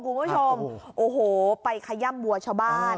คุณผู้ชมโอ้โหไปขย่ำวัวชาวบ้าน